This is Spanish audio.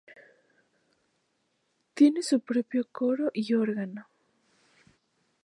Tiene su propio coro y órgano.